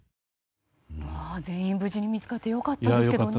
全員無事に見つかって良かったですね。